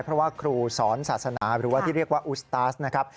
เพราะว่าครูสอนศาสนาหรือว่าที่เรียกว่าอุสตาสนะครับ